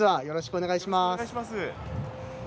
よろしくお願いします。